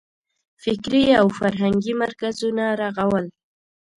فکري او فرهنګي مرکزونه رغول.